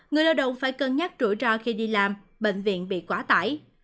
người lao động phải cân nhắc rủi ro khi đi làm bệnh viện bị quá tải